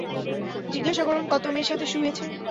জিজ্ঞাসা করুন, কত মেয়ের সাথে শুয়েছে!